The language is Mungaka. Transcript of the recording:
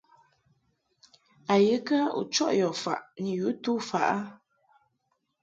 A ye kə u chɔʼ yɔ faʼ ni yu tu faʼ ?